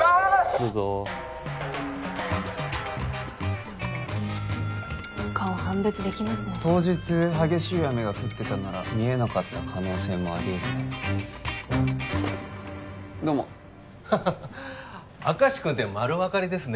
どうぞ顔判別できますね当日激しい雨が降ってたなら見えなかった可能性もあり得るねどうもハハハ明石君って丸分かりですね